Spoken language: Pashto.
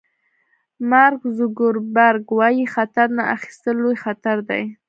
مارک زوګربرګ وایي خطر نه اخیستل لوی خطر دی.